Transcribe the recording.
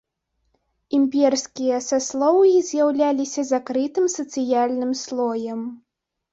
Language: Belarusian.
Імперскія саслоўі з'яўляліся закрытым сацыяльным слоем.